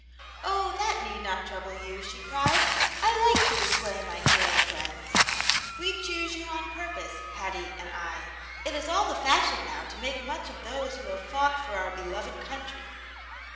'*Oh, that need not trouble you," she cried, "I like to display my hero friends \ "NN^ claoo^^ ^ovi Aunt Jane's Hero. 79 on purpose, Hattie and I. It is all the fashion now to make much of those who have fought for our beloved country."